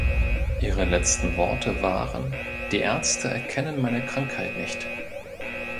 Ihre letzten Worte waren: „Die Ärzte erkennen meine Krankheit nicht.